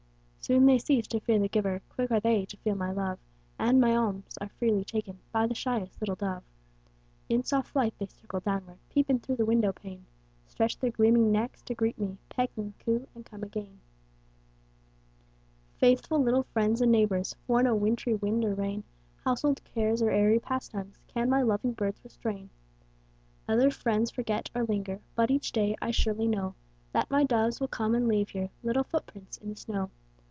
Soon they cease to fear the giver, Quick are they to feel my love, And my alms are freely taken By the shyest little dove. In soft flight, they circle downward, Peep in through the window pane; Stretch their gleaming necks to greet me, Peck and coo, and come again. Faithful little friends and neighbors, For no wintry wind or rain, Household cares or airy pastimes, Can my loving birds restrain. Other friends forget, or linger, But each day I surely know That my doves will come and leave here Little footprints in the snow.